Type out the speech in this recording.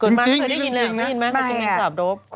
เกิดมาเคยได้ยินเลยไม่ได้ยินไหมเคยกินแม่งสาปโดป